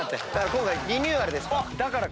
今回リニューアルですから。